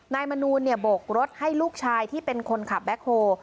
มนูลโบกรถให้ลูกชายที่เป็นคนขับแบ็คโฮ